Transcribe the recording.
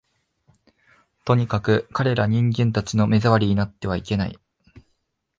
とにかく、彼等人間たちの目障りになってはいけない